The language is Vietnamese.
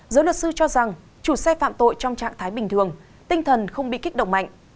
giới luật sư cho rằng chủ xe phạm tội trong trạng thái bình thường tinh thần không bị kích động mạnh